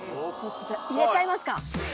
やっちゃいますか。